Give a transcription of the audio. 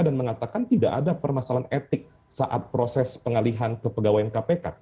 dan mengatakan tidak ada permasalahan etik saat proses pengalihan kepegawaian kpk